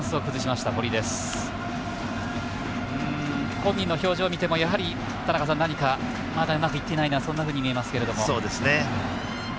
本人の表情を見てやはり、田中さんうまくいっていないなとそんなふうに見えますけど。